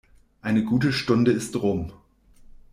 Eine gute Stunde ist rum.